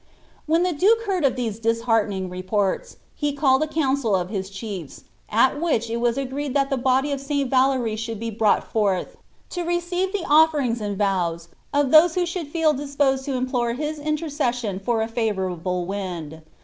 '" When the duke beard of these disheartening reports, he calicij a council of his chiefs, at which it was agreed that the body of St. Valleri ihonld be brought forth, to receive the offerings and tows of those who ahould feel (ii8|>osed to implore his intercession for a favourable wind.